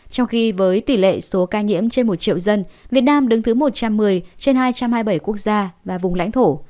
trong khi với tỷ lệ số ca nhiễm trên một triệu dân việt nam đứng thứ một trăm một mươi trên hai trăm hai mươi bảy quốc gia và vùng lãnh thổ